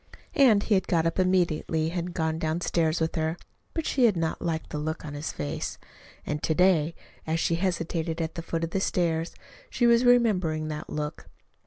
And he had got up immediately and had gone downstairs with her. But she had not liked the look on his face. And to day, as she hesitated at the foot of the stairs, she was remembering that look.